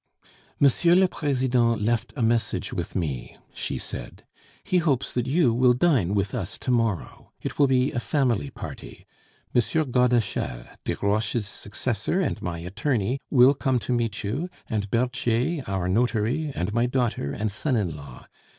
"M. le President left a message with me," she said; "he hopes that you will dine with us to morrow. It will be a family party. M. Godeschal, Desroches' successor and my attorney, will come to meet you, and Berthier, our notary, and my daughter and son in law.